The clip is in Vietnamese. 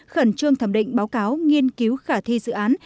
khẩn trương thẩm định báo cáo nghiên cứu khả thi dự án